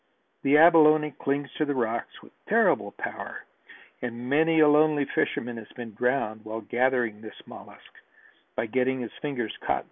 The abalone clings to the rocks with terrible power and many a lonely fisherman has been drowned while gathering this mollusk, by getting his fingers caught between the shell and the rock.